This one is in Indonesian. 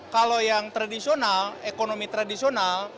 kalau yang tradisional ekonomi tradisional